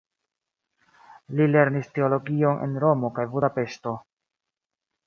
Li lernis teologion en Romo kaj Budapeŝto.